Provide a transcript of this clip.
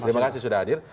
terima kasih sudah hadir